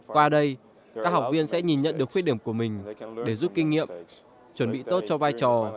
qua đây các học viên sẽ nhìn nhận được khuyết điểm của mình để giúp kinh nghiệm chuẩn bị tốt cho vai trò